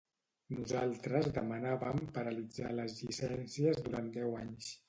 Nosaltres demanàvem paralitzar les llicències durant deu anys